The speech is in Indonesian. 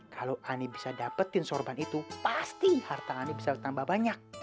kalau ani bisa dapetin sorban itu pasti harta ani bisa bertambah banyak